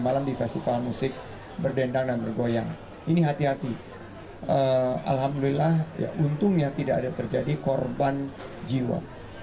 alhamdulillah untungnya tidak ada terjadi korban jiwa